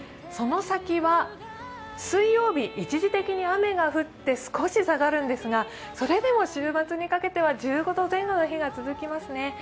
その先は水曜日、一時的に雨が降って、少し下がるんですが、それでも週末にかけては１５度前後の日が続きますね。